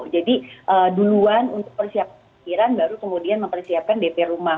jadi duluan untuk persiapkan kemampiran baru kemudian mempersiapkan dp rumah